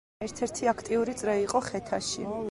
ერთ-ერთი აქტიური წრე იყო ხეთაში.